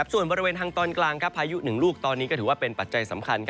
ส่วนบริเวณทางตอนกลางพายุหนึ่งลูกตอนนี้ก็ถือว่าเป็นปัจจัยสำคัญ